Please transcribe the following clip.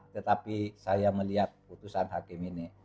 tetapi saya melihat putusan hakim ini